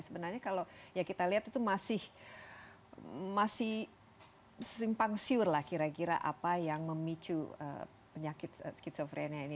sebenarnya kalau ya kita lihat itu masih simpang siur lah kira kira apa yang memicu penyakit skizofrenia ini